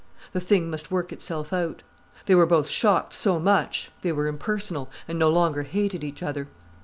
The thing must work itself out. They were both shocked so much, they were impersonal, and no longer hated each other.